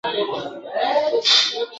میاشت لا نه وه تېره سوې ډزهار سو ..